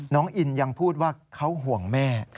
น้องอินยังพูดว่าเขาห่วงแม่